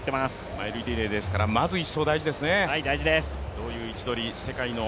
マイルリレーですからまず１走大事ですね。